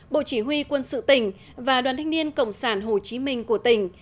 bộ chỉ huy quân sự tỉnh và đoàn thanh niên cộng sản hồ chí minh của tỉnh